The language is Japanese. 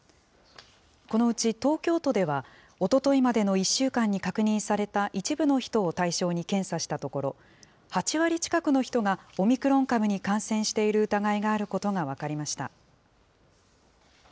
このうち東京都では、おとといまでの１週間に確認された一部の人を対象に検査したところ、８割近くの人がオミクロン株に感染している疑いがあることが分かりました。